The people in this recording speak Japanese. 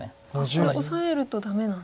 これオサえるとダメなんですね？